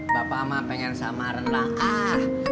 bapak ama pengen sama rendang ah